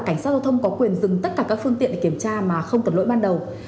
cảnh sát giao thông có quyền dừng tất cả các phương tiện để kiểm tra mà không cần lỗi ban đầu